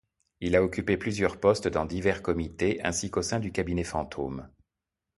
Il a occupé plusieurs postes dans divers comités, ainsi qu'au sein du cabinet fantôme.